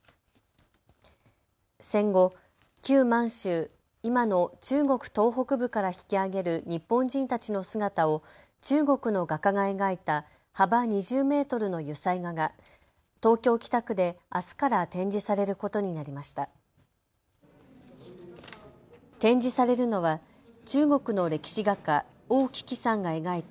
戦後、旧満州、今の中国東北部から引き揚げる日本人たちの姿を中国の画家が描いた幅２０メートルの油彩画が東京北区であすから展示されることになりました。